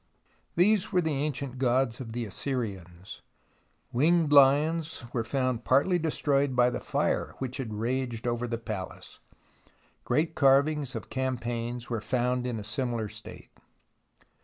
These were the ancient gods of the Assyrians. Winged lions were found partly destroyed by the fire which had raged over the palace. Great carvings of campaigns were found in a similar state.